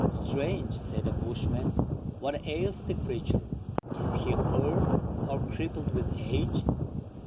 Strange," said the bushman ;" what ails the creature ? Is he hurt, or crippled with age?"